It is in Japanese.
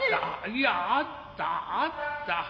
いやあったあった。